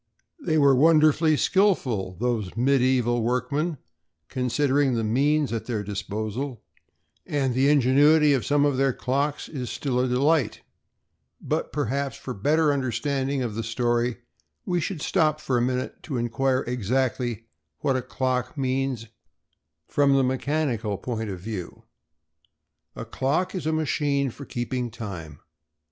They were wonderfully skilful, those medieval workmen, considering the means at their disposal, and the ingenuity of some of their clocks is still a delight, but, perhaps, for better understanding of the story, we should stop for a minute to inquire exactly what a clock means from the mechanical point of view. A clock is a machine for keeping time.